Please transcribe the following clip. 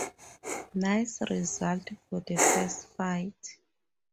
Nice result for the first fight.